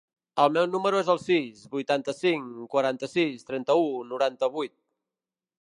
El meu número es el sis, vuitanta-cinc, quaranta-sis, trenta-u, noranta-vuit.